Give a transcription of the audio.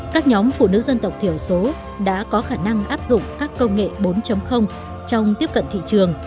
các nhóm phụ nữ dân tộc thiểu số đã có khả năng áp dụng các công nghệ bốn trong tiếp cận thị trường